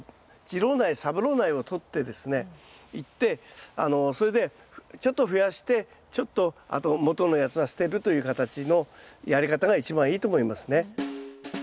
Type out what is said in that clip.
次郎苗三郎苗を取ってですねいってそれでちょっと増やしてちょっとあと元のやつは捨てるという形のやり方が一番いいと思いますね。